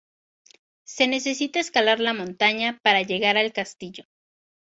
Se necesita escalar la montaña para llegar al castillo.